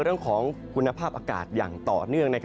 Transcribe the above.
เรื่องของคุณภาพอากาศอย่างต่อเนื่อง